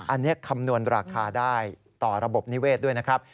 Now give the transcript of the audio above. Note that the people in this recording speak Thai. อันนี้คำนวณราคาได้ต่อระบบนิเวศด้วยนะครับ